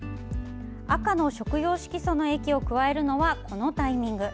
赤の食用色素の液を加えるのはこのタイミング。